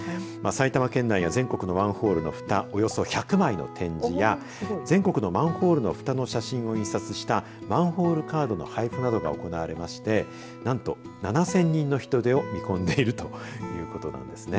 埼玉県内や全国のマンホールのふた、およそ１００枚の展示や全国のマンホールのふたの写真を印刷したマンホールカードの配布などが行われましてなんと７０００人の人出を見込んでいるということなんですね。